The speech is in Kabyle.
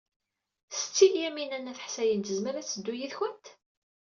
Setti Lyamina n At Ḥsayen tezmer ad teddu yid-went?